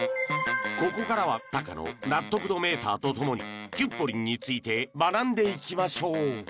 ここからはタカの納得度メーターとともにキュッポリンについて学んでいきましょう